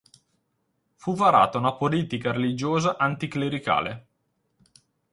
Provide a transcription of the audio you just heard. Fu varata una politica religiosa anticlericale.